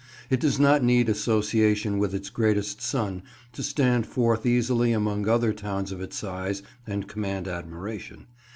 It does not need association with its greatest son to stand forth easily among other towns of its size and command admiration.